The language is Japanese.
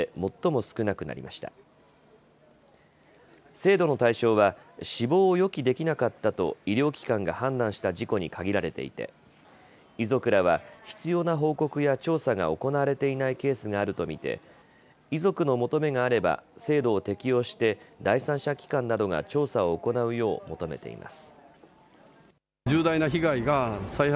制度の対象は死亡を予期できなかったと医療機関が判断した事故に限られていて遺族らは必要な報告や調査が行われていないケースがあると見て遺族の求めがあれば制度を適用して第三者機関などが調査を行うよう求めています。